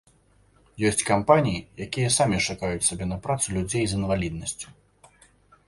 Ёсць кампаніі, якія самі шукаюць сабе на працу людзей з інваліднасцю.